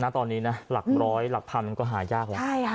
ตอนนี้หลักร้อยหลักพรรมก็หายาก